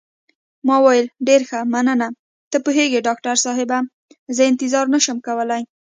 ما وویل: ډېر ښه، مننه، ته پوهېږې ډاکټر صاحبه، زه انتظار نه شم کولای.